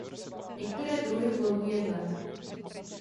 Některé druhy plodů jedlé.